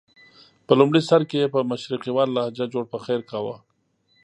په لومړي سر کې یې په مشرقیواله لهجه جوړ پخیر کاوه.